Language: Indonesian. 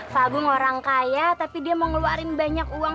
sabung orang kaya tapi dia mau ngeluarin banyak uang